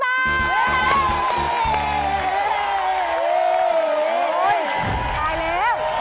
ตายแล้ว